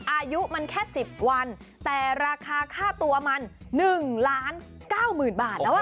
อายุมันแค่๑๐วันแต่ราคาค่าตัวมัน๑ล้าน๙๐๐๐บาทแล้ว